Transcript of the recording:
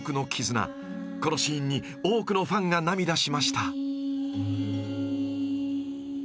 ［このシーンに多くのファンが涙しました］